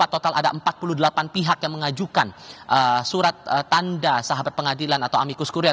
total ada empat puluh delapan pihak yang mengajukan surat tanda sahabat pengadilan atau amikus kurir